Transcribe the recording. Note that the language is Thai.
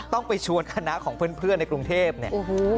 ต้องไปชวนคณะของเพื่อนในกรุงเทพเนี่ยโอ้โห